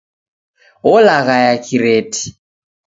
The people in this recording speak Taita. Olaghaya kireti